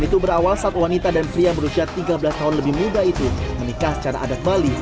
itu berawal saat wanita dan pria berusia tiga belas tahun lebih muda itu menikah secara adat bali